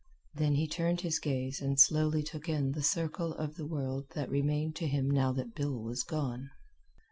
Then he turned his gaze and slowly took in the circle of the world that remained to him now that Bill was gone.